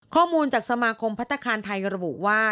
ข้อมูลจากสมาคมพัฒนาคารไทยระบุว่า